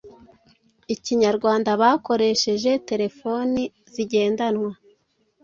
ikinyarwanda bakoresheje telephone zigendanwa.